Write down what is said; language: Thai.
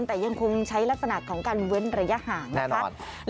แต่ยังคงใช้ลักษณะของการเว้นระยะห่างนะคะ